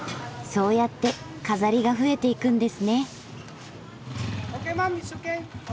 そうやって飾りが増えていくんですね。